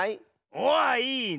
おいいね。